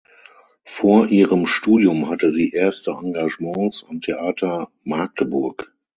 Vor ihrem Studium hatte sie erste Engagements am Theater Magdeburg.